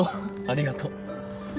ありがとう。